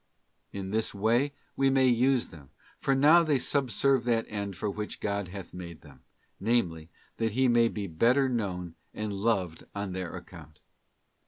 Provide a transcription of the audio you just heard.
In this way we may use them, for now they subserve that end for which God hath made them; namely, that He may be the better known and loved on their account.